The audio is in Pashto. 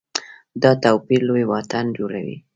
دا توپیر لوی واټن جوړوي.